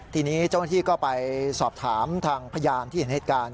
ทีนี้เจ้าหน้าที่ก็ไปสอบถามทางพยานที่เห็นเหตุการณ์